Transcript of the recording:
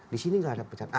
di sini tidak ada pecat